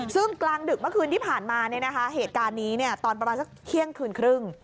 ซึ่งกลางดึกเมื่อคืนที่ผ่านมาตอนประมาณเที่ยงคืนครึ่ง